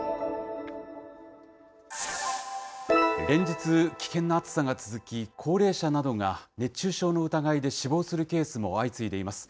連日、危険な暑さが続き、高齢者などが熱中症の疑いで死亡するケースも相次いでいます。